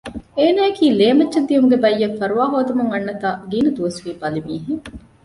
އޭނާއަކީ ލޭމައްޗަށް ދިއުމުގެ ބައްޔަށް ފަރުވާހޯދަމުން އަންނަތާ ގިނަ ދުވަސްވީ ބަލިމީހެއް